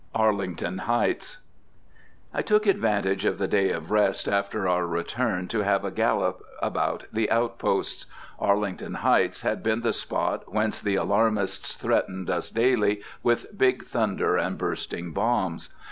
ARLINGTON HEIGHTS. I took advantage of the day of rest after our return to have a gallop about the outposts. Arlington Heights had been the spot whence the alarmists threatened us daily with big thunder and bursting bombs.